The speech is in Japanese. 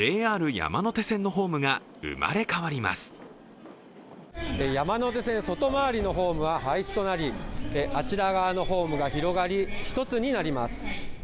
山手線外回りのホームは廃止となりあちら側のホームが広がり、１つになります。